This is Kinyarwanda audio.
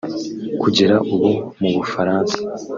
Kugera ubu mu Bufaransa